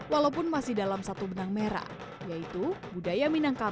walaupun masih dalam satu benang merah yaitu budaya minangkabau